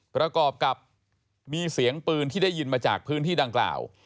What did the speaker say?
ประกอบกับมีเสียงปืนที่ได้ยินมาจากพื้นที่ดังกล่าว